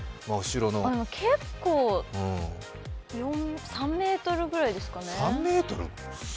結構、３ｍくらいですかね。